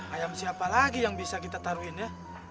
ayam siapa lagi yang bisa kita taruhin ya